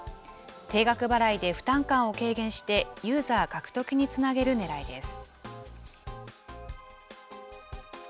定額払いで負担感を軽減して、ユーザー獲得につなげるねらいです。